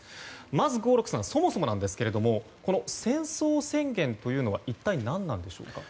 まず合六さん、そもそもですが戦争宣言というのは一体何なんでしょうか？